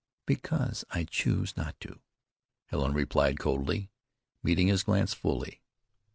"Because I choose not to," Helen replied coldly, meeting his glance fully.